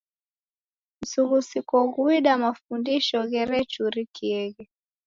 Msughusiko ghuida, mafundisho gherechurikieghe..